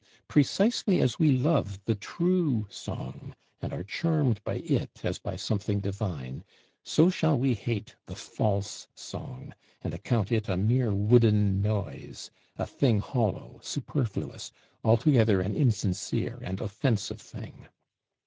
Precisely as we love the true song, and are charmed by it as by something divine, so shall we hate the false song, and account it a mere wooden noise, a thing hollow, superfluous, altogether an insincere and offensive thing.